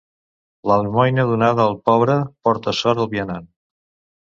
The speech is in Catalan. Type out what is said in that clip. L'almoina donada al pobre porta sort al vianant.